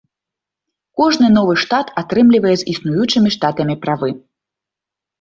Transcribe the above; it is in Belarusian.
Кожны новы штат атрымлівае з існуючымі штатамі правы.